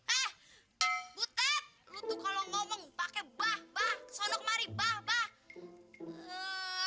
eh butet lu tuh kalau ngomong pake bah bah sonok mari bah bah